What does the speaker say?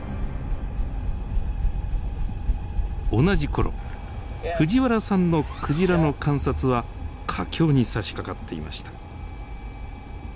同じ頃藤原さんのクジラの観察は佳境にさしかかっていました。